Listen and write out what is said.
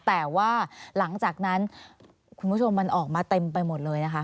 แต่ว่าหลังจากนั้นคุณผู้ชมมันออกมาเต็มไปหมดเลยนะคะ